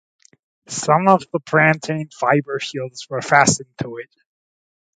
Some of the plantain-fiber shields were fastened to it.